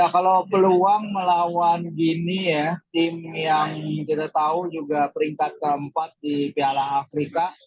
kalau peluang melawan gini ya tim yang kita tahu juga peringkat keempat di piala afrika